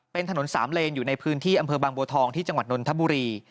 เป็นถนนสามเลนอยู่ในพื้นที่อำเภอบางบัวทองที่จังหวัดนนทบุรี